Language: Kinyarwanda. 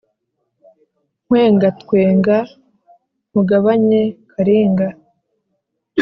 Ntwengatwenga nkugabanye karinga